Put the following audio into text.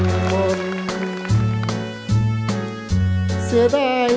ขอบคุณครับ